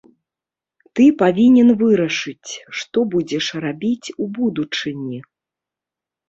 Ты павінен вырашыць, што будзеш рабіць у будучыні.